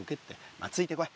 まあついてこい。